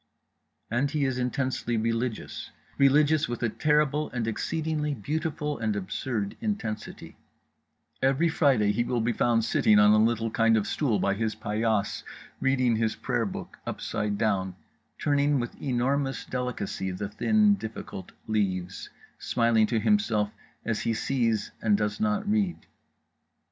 And he is intensely religious, religious with a terrible and exceedingly beautiful and absurd intensity … every Friday he will be found sitting on a little kind of stool by his paillasse reading his prayer book upside down; turning with enormous delicacy the thin difficult leaves, smiling to himself as he sees and does not read.